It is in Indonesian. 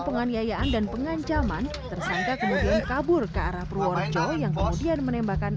penganiayaan dan pengancaman tersangka kemudian kabur ke arah purworejo yang kemudian menembakkan